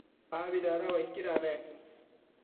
abi dada uaiquida ne?